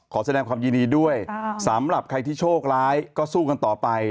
ขอแสดงความยินดีด้วยสำหรับใครที่โชคร้ายก็สู้กันต่อไป